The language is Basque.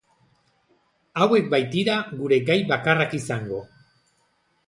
Hauek baitira gure gai bakarrak izango!